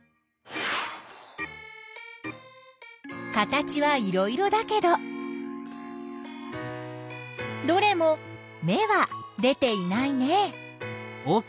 形はいろいろだけどどれも芽は出ていないね。